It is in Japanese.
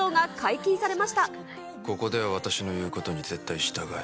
ここでは私の言うことに絶対従え。